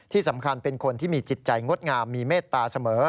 ที่สำคัญเป็นคนที่มีจิตใจงดงามมีเมตตาเสมอ